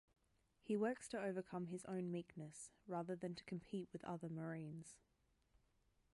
He works to overcome his own meekness, rather than to compete with other Marines.